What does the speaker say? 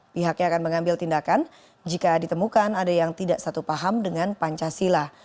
pihaknya akan mengambil tindakan jika ditemukan ada yang tidak satu paham dengan pancasila